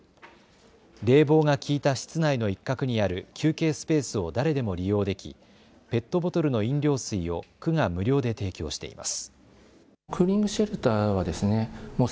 冷房が効いた室内の一角にある休憩スペースを誰でも利用できペットボトルの飲料水を区が無料で提供しています。